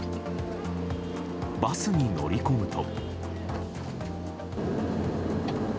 バスに乗り込むと。